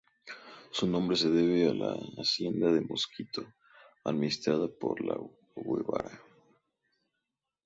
Su nombre se debe a la Hacienda de Mosquito, administrada por los Guevara.